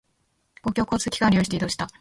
公共交通機関を利用して移動した。